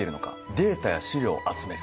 データや資料を集める。